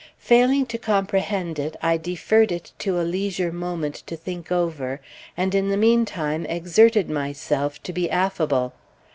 Failing to comprehend it, I deferred it to a leisure moment to think over, and in the mean time exerted myself to be affable.